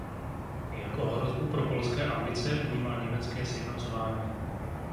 Jako hrozbu pro polské ambice vnímal německé sjednocování.